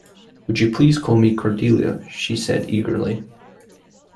“Will you please call me Cordelia?” she said eagerly.